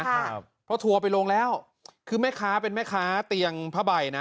ครับเพราะทัวร์ไปลงแล้วคือแม่ค้าเป็นแม่ค้าเตียงผ้าใบนะ